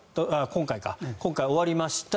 今回、終わりました。